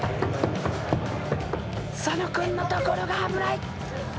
佐野君のところが危ない！